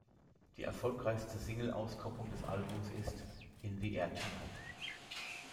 Die erfolgreichste Singleauskopplung des Albums ist "In the Air Tonight".